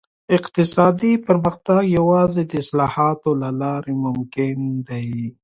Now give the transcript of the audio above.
اقتصادي پرمختګ یوازې د اصلاحاتو له لارې ممکن دی.